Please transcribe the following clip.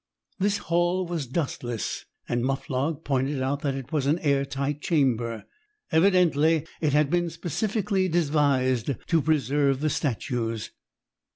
This hall was dustless, and Muflog pointed out that it was an airtight chamber. Evidently it had been specifically devised to preserve the statues.